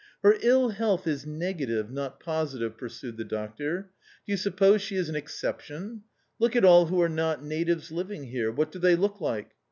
" Her ill health is negative, not positive," pursued the doctor. "Do you suppose she is an exception? Look at all who are not natives living here. What do they look like